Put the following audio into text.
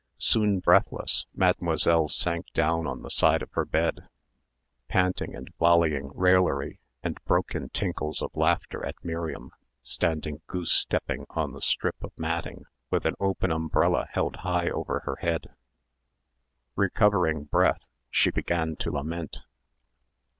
Soon breathless, Mademoiselle sank down on the side of her bed, panting and volleying raillery and broken tinkles of laughter at Miriam standing goose stepping on the strip of matting with an open umbrella held high over her head. Recovering breath, she began to lament....